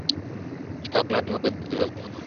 সকালবেলা আমি ওকে দেখতে যাব।